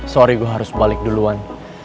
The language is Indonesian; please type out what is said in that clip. sorry gue harus balik duluan